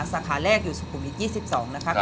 สาขาแรกอยู่สุขุมวิท๒๒นะครับ